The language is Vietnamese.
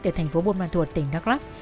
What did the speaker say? từ thành phố bôn ban thuột tỉnh đắc lắc